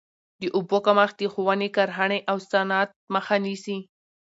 د اوبو کمښت د ښووني، کرهڼې او صنعت مخه نیسي.